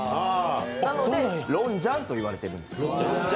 なのでロンジャンと言われてるんです。